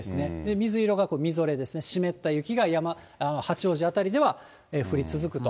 水色がみぞれですね、湿った雪が八王子辺りでは降り続くと。